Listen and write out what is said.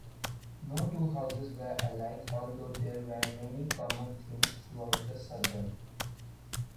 No two houses were alike, although there were many common themes throughout the suburb.